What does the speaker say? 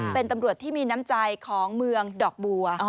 เป็นตำรวจที่มีน้ำใจของเมืองดอกบัว